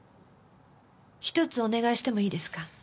１つお願いしてもいいですか？